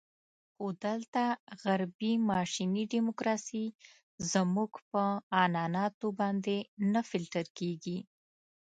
خو دلته غربي ماشیني ډیموکراسي زموږ په عنعناتو باندې نه فلتر کېږي.